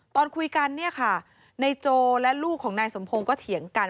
ตอนคุยกันเนี่ยค่ะนายโจและลูกของนายสมพงศ์ก็เถียงกัน